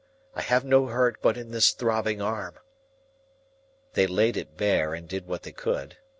I have no hurt but in this throbbing arm." They laid it bare, and did what they could.